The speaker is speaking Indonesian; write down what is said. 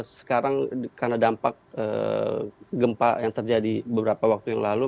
sekarang karena dampak gempa yang terjadi beberapa waktu yang lalu